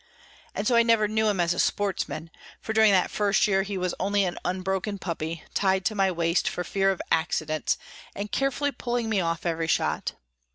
And so I never knew him as a sportsman; for during that first year he was only an unbroken puppy, tied to my waist for fear of accidents, and carefully pulling me off every shot.